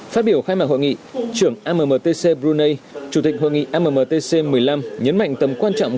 phát biểu khai mạc hội nghị trưởng ammtc brunei chủ tịch hội nghị ammtc một mươi năm nhấn mạnh tầm quan trọng